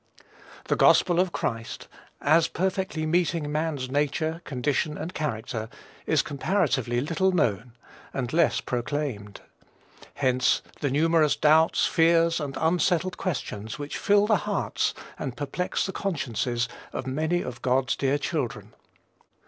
The gospel of Christ, as perfectly meeting man's nature, condition, and character, is comparatively little known, and less proclaimed. Hence, the numerous doubts, fears, and unsettled questions which fill the hearts and perplex the consciences of many of God's dear children.